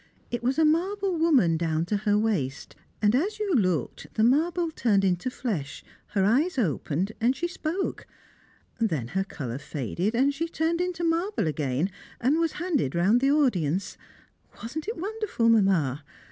It was a marble woman down to her waist, and as you looked, the marble turned into flesh, her eyes opened, and she spoke; then her colour faded, and she turned into marble again, and was handed round the audience; wasn't it wonderful, Mamma?